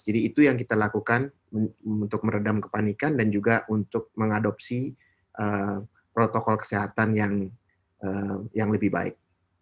jadi itu yang kita lakukan untuk meredam kepanikan dan juga untuk mengadopsi protokol kesehatan yang lebih baik